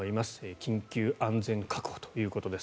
緊急安全確保ということです。